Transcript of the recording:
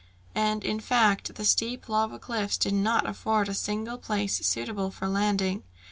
And, in fact, the steep lava cliffs did not afford a single place suitable for landing.